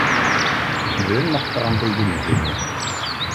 Үҙен маҡтағанды ене һөймәй.